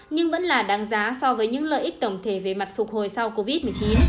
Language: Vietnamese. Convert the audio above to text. nhưng vẫn là đáng giá so với những lợi ích tổng thể về mặt phục hồi sau covid một mươi chín